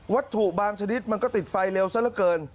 ถูกบางชนิดมันก็ติดไฟเร็วซะละเกิน